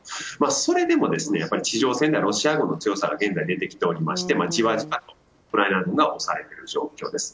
それでも地上戦ではロシア軍の強さが現在は出てきていて、じわじわウクライナ軍が押されている状況です。